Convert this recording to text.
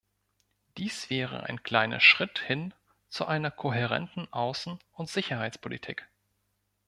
Dies wäre ein kleiner Schritt hin zu einer kohärenten Außen- und Sicherheitspolitik.